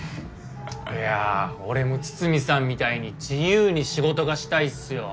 いやぁ俺も筒見さんみたいに自由に仕事がしたいっすよ。